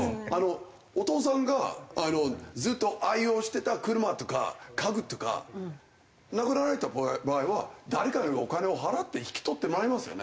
お父さんがずっと愛用してた車とか家具とか亡くなられた場合は誰かにお金を払って引き取ってもらいますよね。